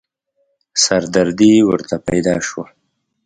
سردردې ورته پيدا شوه.